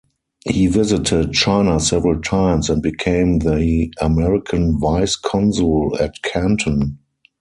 He visited China several times and became the American vice consul at Canton.